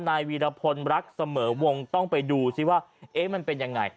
นายวีรพลรักษ์เสมอวงต้องไปดูซิว่าเอ๊ะมันเป็นอย่างไร